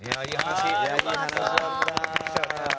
良かった。